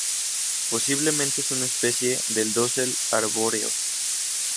Posiblemente es una especie del dosel arbóreo.